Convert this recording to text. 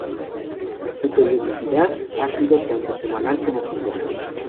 Su periodicidad ha sido tanto semanal como quincenal.